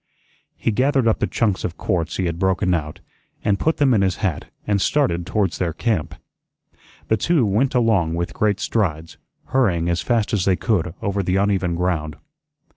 He gathered up the chunks of quartz he had broken out, and put them in his hat and started towards their camp. The two went along with great strides, hurrying as fast as they could over the uneven ground.